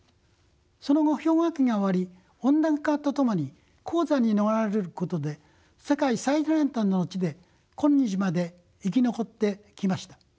その後氷河期が終わり温暖化とともに高山に逃れることで世界の最南端の地で今日まで生き残ってきました。